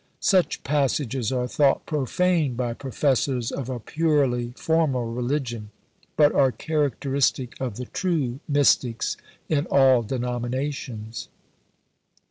Such passages are thought "profane" by professors of a purely formal religion; but are characteristic of the true mystics in all denominations.